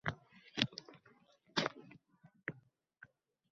va o‘zlari maydonni tark etadi.